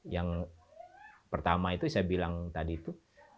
yang pertama itu saya bilang tadi itu